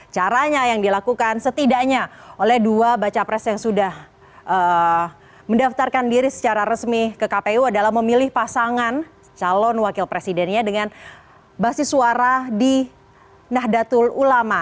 caranya yang dilakukan setidaknya oleh dua baca pres yang sudah mendaftarkan diri secara resmi ke kpu adalah memilih pasangan calon wakil presidennya dengan basis suara di nahdlatul ulama